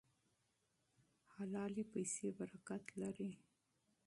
پاکې پیسې برکت لري.